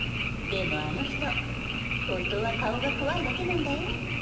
でもあの人本当は顔が怖いだけなんだよ。